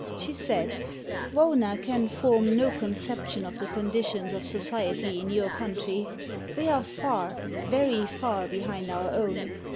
She said: "Wauna can form no conception of the conditions of society in your country. They are far, very far, behind our own.